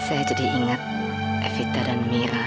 saya jadi ingat evita dan mira